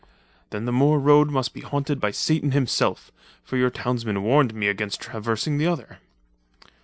"Then the moor road must be haunted by Satan himself, for your townsmen warned me against traversing the other."